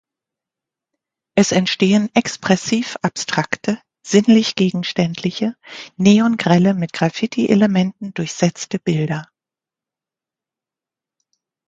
Es entstehen expressiv abstrakte, sinnlich gegenständliche, neon-grelle, mit Graffiti-Elementen durchsetzte Bilder.